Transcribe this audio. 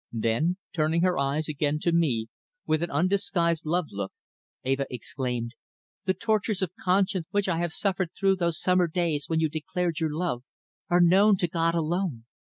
Then, turning her eyes again to me with an undisguised love look, Eva exclaimed, "The tortures of conscience which I suffered through those summer days when you declared your love are known to God alone.